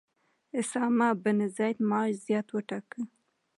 اسامه بن زید معاش زیات وټاکه.